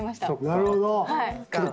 なるほど。